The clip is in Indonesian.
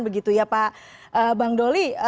begitu ya pak bangdoli